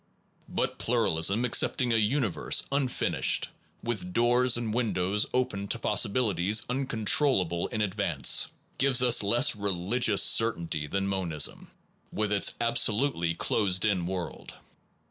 But pluralism, accepting a universe unfin ished, with doors and windows open to possi bilities uncontrollable in advance, gives us less religious certainty than monism, with its abso lutely closed in world.